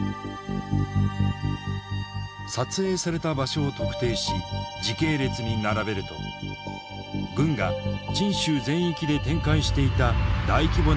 撮影された場所を特定し時系列に並べると軍がチン州全域で展開していた大規模な掃討作戦の全貌が見えてきた。